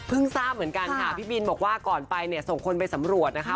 ทราบเหมือนกันค่ะพี่บินบอกว่าก่อนไปเนี่ยส่งคนไปสำรวจนะคะ